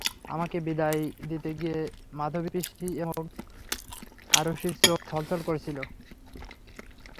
আমাকে বিদায় দিতে গিয়ে মাধবী পিসি এবং আরুশির চোখ ছলছল করছিল।